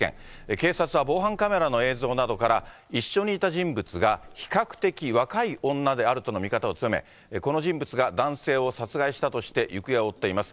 警察は防犯カメラの映像などから、一緒にいた人物が比較的若い女であるとの見方を強め、この人物が男性を殺害したとして、行方を追っています。